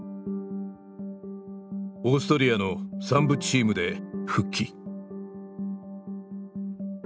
オーストリアの３部チームで復帰。